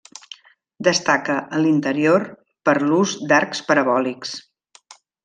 Destaca, a l'interior, per l'ús d'arcs parabòlics.